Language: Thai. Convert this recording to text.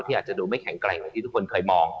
ที่อาจจะไม่แข็งไกรอย่างที่ทุกคนมอง